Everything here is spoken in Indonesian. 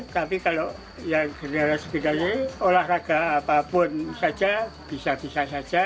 tapi kalau yang generasi olahraga apapun saja bisa bisa saja